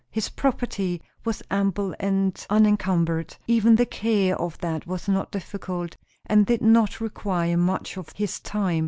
His property was ample and unencumbered; even the care of that was not difficult, and did not require much of his time.